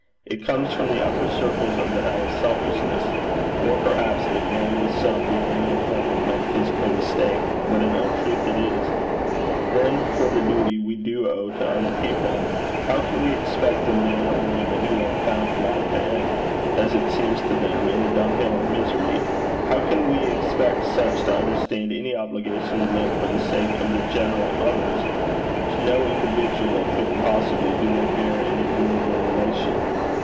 It comes from the upper circles of the hell of selfishness. Or, perhaps, it may with some be merely a form of metaphysical mistake; but an untruth it is. Then for the duty we do owe to other people: how can we expect the men or women who have found life to end, as it seems to them, in a dunghill of misery how can we expect such to understand any obligation to live for the sake of the general others, to no individual of whom, possibly, do they bear an endurable relation?